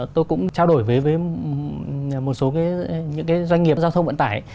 tôi cũng trao đổi với một số những cái doanh nghiệp giao thông vận tải